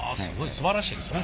すばらしいですな。